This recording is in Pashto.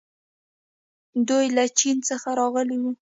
دوی له چین څخه راغلي وو